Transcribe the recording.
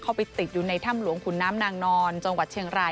ไปติดอยู่ในถ้ำหลวงขุนน้ำนางนอนจังหวัดเชียงราย